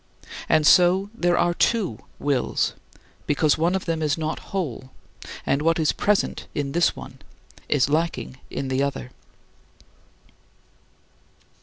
And so there are two wills, because one of them is not whole, and what is present in this one is lacking in the other.